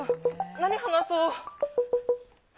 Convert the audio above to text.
何話そう。